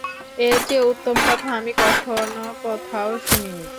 এর চেয়ে উত্তম কথা আমি কখনো কোথাও শুনিনি।